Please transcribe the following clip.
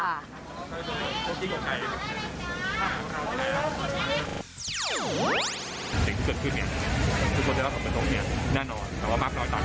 ข้อสัมภัณฑ์เพื่อคนเป็นผู้กรอย่างได้ที่เฉพาะการอดทน